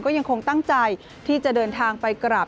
ก็ยังคงตั้งใจที่จะเดินทางไปกราบ